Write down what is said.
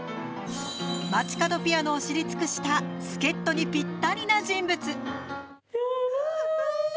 街角ピアノを知り尽くした助っ人にぴったりな人物。